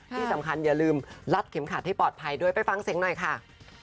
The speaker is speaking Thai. ที่สำคัญอย่าลืมลัดเข็มขัดให้ปลอดภัยด้วยไปฟังเสียงหน่อยค่ะ